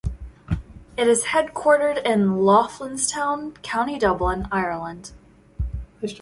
It is headquartered in Loughlinstown, County Dublin, Ireland.